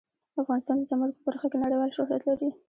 افغانستان د زمرد په برخه کې نړیوال شهرت لري.